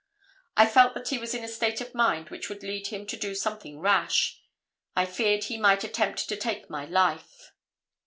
I felt that he was in a state of mind which would lead him to do something rash. I feared he might attempt to take my life.